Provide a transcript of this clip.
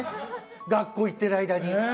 学校行ってる間に。